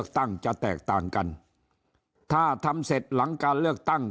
ตั้งจะแตกต่างกันถ้าทำเสร็จหลังการเลือกตั้ง